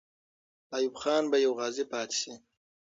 ایوب خان به یو غازی پاتې سي.